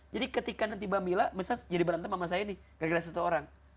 jadi ketika nanti mba mila misalnya jadi berantem sama saya nih gara gara satu orang